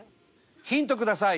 ヒントください！